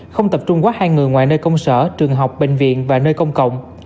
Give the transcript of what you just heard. không tập trung quá hai người ngoài nơi công sở trường học bệnh viện và nơi công cộng